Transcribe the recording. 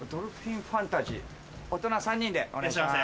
大人３人でお願いします。